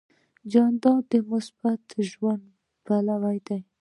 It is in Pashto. جانداد د مثبت ژوند پلوی دی.